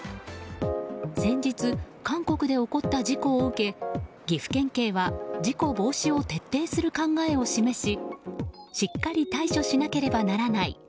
先日、韓国で起こった事故を受け岐阜県警は事故防止を徹底する考えを示ししっかり対処しなければならない。